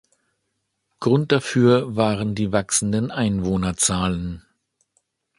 Grund dafür waren die wachsenden Einwohnerzahlen.